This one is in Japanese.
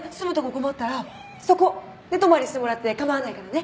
困ったらそこ寝泊まりしてもらって構わないからね。